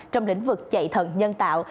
trong lĩnh vực chạy thận nhân tạo